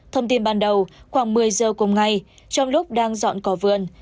thông tin ban đầu khoảng một mươi giờ cùng ngày trong lúc đang dọn cỏ vườn